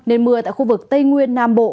nên mưa tại khu vực tây nguyên nam bộ